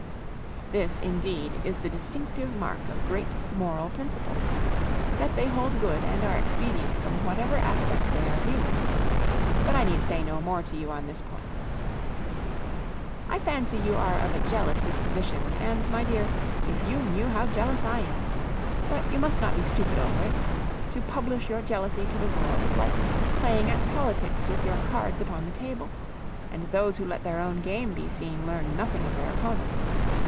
This, indeed, is the distinctive mark of great moral principles, that they hold good and are expedient from whatever aspect they are viewed. But I need say no more to you on this point. "I fancy you are of a jealous disposition, and, my dear, if you knew how jealous I am! But you must not be stupid over it. To publish your jealousy to the world is like playing at politics with your cards upon the table, and those who let their own game be seen learn nothing of their opponents'.